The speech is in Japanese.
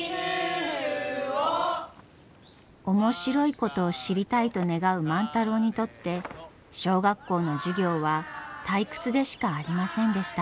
面白いことを知りたいと願う万太郎にとって小学校の授業は退屈でしかありませんでした。